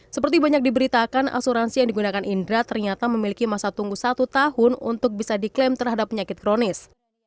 seperti banyak diberitakan asuransi yang digunakan indra ternyata memiliki masa tunggu satu tahun untuk bisa diklaim terhadap penyakit kronis